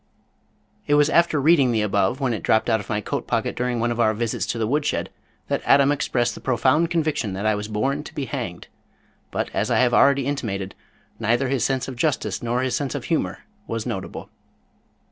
It was after reading the above, when it dropped out of my coat pocket during one of our visits to the wood shed, that Adam expressed the profound conviction that I was born to be hanged, but as I have already intimated, neither his sense of justice, nor his sense of humor was notable.